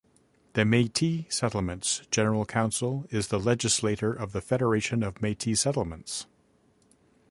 The Metis Settlements General Council is the legislator of the Federation of Metis Settlements.